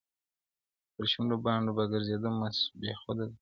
پر شنو بانډو به ګرځېدله مست بېخوده زلمي-